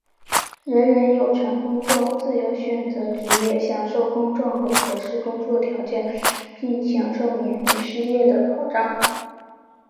人人有权工作、自由选择职业、享受公正和合适的工作条件并享受免于失业的保障。